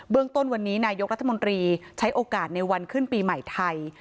ต้นวันนี้นายกรัฐมนตรีใช้โอกาสในวันขึ้นปีใหม่ไทย